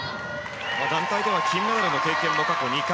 団体では金メダルの経験も過去２回。